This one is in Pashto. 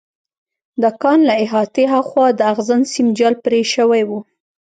د کان له احاطې هاخوا د اغزن سیم جال پرې شوی و